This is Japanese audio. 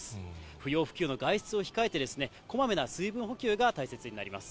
不要不急の外出を控えて、こまめな水分補給が大切になります。